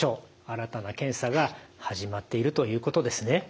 新たな検査が始まっているということですね。